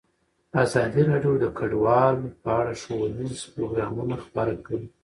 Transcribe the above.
ازادي راډیو د کډوال په اړه ښوونیز پروګرامونه خپاره کړي.